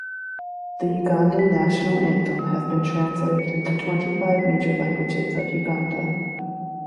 The Ugandan national anthem has been translated into twenty-five major languages of Uganda.